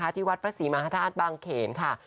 ที่วัดพระศรีมหาธาตุบางเขนค่ะ